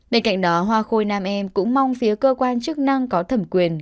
bên cạnh đó hoa khôi nam em cũng mong phía cơ quan chức năng có thẩm quyền